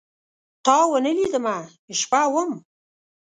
تاونه لیدمه، شپه وم